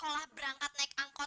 iya pak ada apa